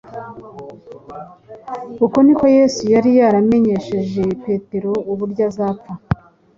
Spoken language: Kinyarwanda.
Uko niko Yesu yari yaramenyesheje Petero uburyo azapfa,